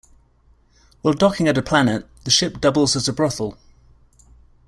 While docking at a planet, the ship doubles as a brothel.